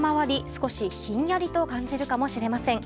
少しひんやりと感じるかもしれません。